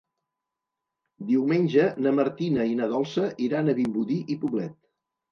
Diumenge na Martina i na Dolça iran a Vimbodí i Poblet.